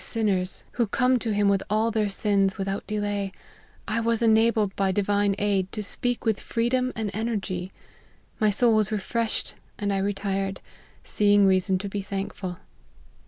sinners, who come to him with all their sins with out delay, I was enabled by divine aid, to speak with freedom and energy : my soul was refreshed, and I retired, seeing reason to be thankful.